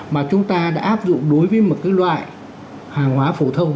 mà chúng ta đã áp dụng đối với một loại hàng hóa phổ thông